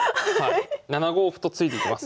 ７五歩と突いていきます。